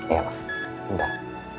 iya ma bentar